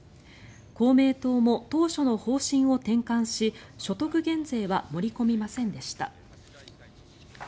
公明党も当初の方針を転換し所得減税は盛り込みませんでした。